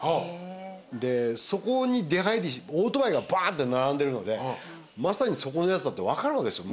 でそこにオートバイがバーンって並んでるのでまさにそこのやつだって分かるわけですよ